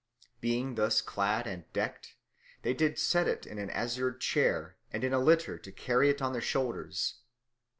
Being thus clad and deckt, they did set it in an azured chair and in a litter to carry it on their shoulders.